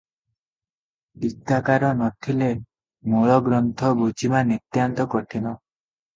ଟୀକାକାର ନଥିଲେ ମୂଳଗ୍ରନ୍ଥ ବୁଝିବା ନିତାନ୍ତ କଠିନ ।